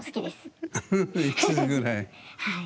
はい。